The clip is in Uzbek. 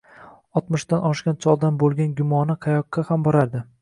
Oltmishdan oshgan choldan bo`lgan gumona qayoqqa ham borardi